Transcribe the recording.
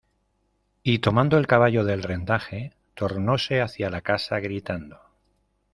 y tomando el caballo del rendaje tornóse hacia la casa, gritando: